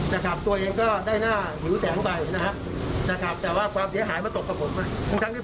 ฮศิษฐาบอกท้าคล้ายจะให้ผมมาแจ้งความ